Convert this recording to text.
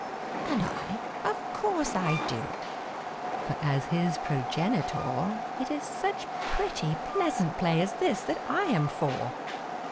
And I of course I do it; for, as his progenitor, It is such pretty, pleasant play as this that I am for!